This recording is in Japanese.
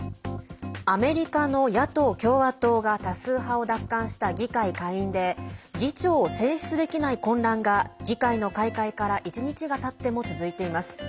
アメリカの野党・共和党が多数派を奪還した議会下院で議長を選出できない混乱が議会の開会から１日がたっても続いています。